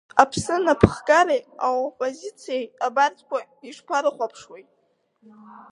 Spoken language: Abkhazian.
Аԥсны анапхгареи аоппозициеи абарҭқәа ишԥарыхәаԥшуеи?